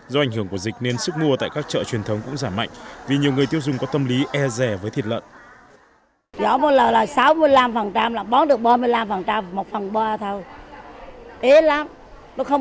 do ảnh hưởng của dịch nên sức mua tại các chợ truyền thống cũng giảm mạnh vì nhiều người tiêu dùng có tâm lý e rẻ với thịt lợn